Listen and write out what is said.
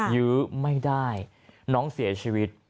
ยื้อไม่ได้น้องเสียชีวิต